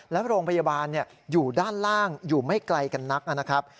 และโรงพยาบาลอยู่ด้านล่างอยู่ไม่ไกลกันนักนะครับ